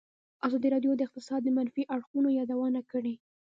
ازادي راډیو د اقتصاد د منفي اړخونو یادونه کړې.